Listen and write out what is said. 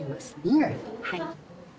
はい。